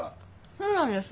そうなんです。